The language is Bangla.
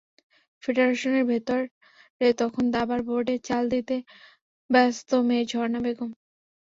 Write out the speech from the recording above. ফেডারেশনের ভেতরে তখন দাবার বোর্ডে চাল দিতে ব্যস্ত মেয়ে ঝরণা বেগম।